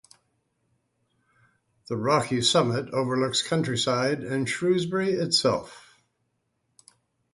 The rocky summit overlooks countryside and Shrewsbury itself.